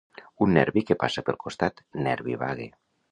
Un nervi que passa pel costat, nervi vague.